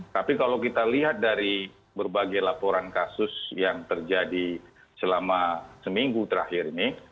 tapi kalau kita lihat dari berbagai laporan kasus yang terjadi selama seminggu terakhir ini